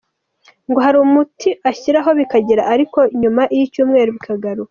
Ngo hari umuti ashyiraho bigakira ariko nyuma y’icyumweru bikagaruka.